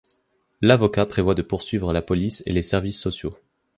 L'avocat prévoit de poursuivre la police et les services sociaux.